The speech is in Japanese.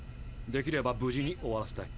できれば無事に終わらせたい。